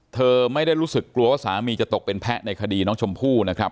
เธอไม่ได้รู้สึกกลัวว่าสามีจะตกเป็นแพะในคดีน้องชมพู่นะครับ